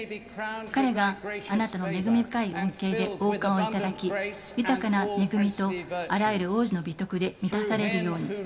彼があなたの恩恵で王冠をいただき豊かな恵みとあらゆる王子の美徳で満たされるように。